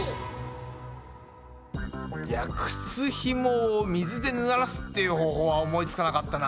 いや靴ひもを水でぬらすっていう方法は思いつかなかったな。